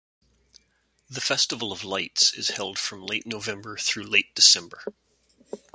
The Festival of Lights is held from late November through Late December.